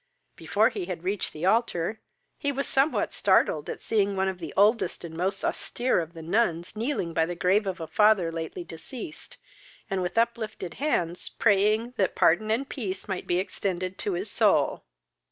Before he had reached the altar, he was somewhat startled at seeing one of the oldest and most austere of the nuns kneeling by the grave of a father lately deceased, and with uplifted hands praying that pardon and peace might be extended to his soul.